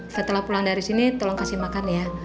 setelah pulang dari sini tolong kasih makan ya